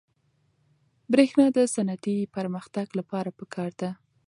برېښنا د صنعتي پرمختګ لپاره پکار ده.